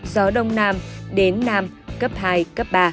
gió đông nam đến nam cấp hai cấp ba